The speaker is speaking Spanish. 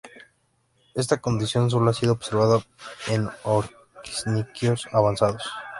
Esta condición sólo ha sido observada en ornitisquios avanzados.